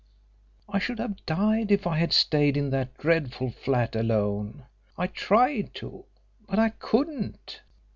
I should have died if I had stayed in that dreadful flat alone. I tried to, but I couldn't.